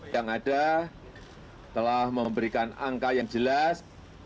yang ada telah memberikan angka yang jelas